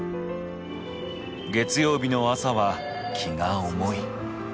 月曜日の朝は気が重い。